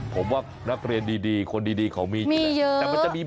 ผมว่านักเรียนดีคนดีเขามีแหละแต่มันจะมีมีเยอะ